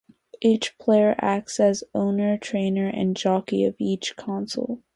Each player acts as owner, trainer, and jockey at each console.